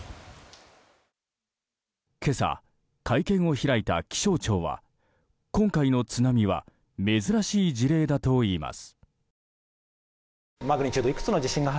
今朝、会見を開いた気象庁は今回の津波は珍しい事例だといいます。